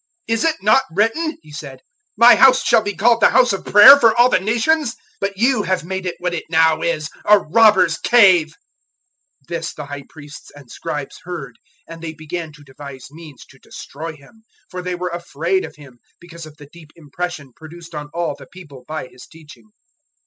"Is it not written," He said, "'My House shall be called The House of Prayer for all the nations?' But you have made it what it now is a robbers' cave." 011:018 This the High Priests and Scribes heard, and they began to devise means to destroy Him. For they were afraid of Him, because of the deep impression produced on all the people by His teaching.